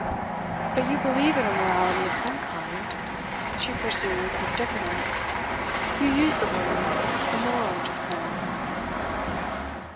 'But you believe in a morality of some kind?' she pursued with diffidence. 'You used the word "immoral" just now.